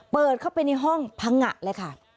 เปิดเข้าไปในห้องพังงะเลยค่ะ